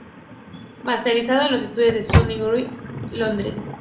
Masterizado en los estudios de Sony, Whitfield Street, Londres.